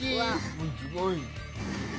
すごい。